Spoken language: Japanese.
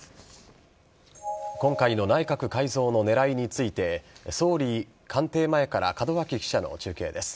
今回の内閣改造の狙いについて総理官邸前から門脇記者の中継です。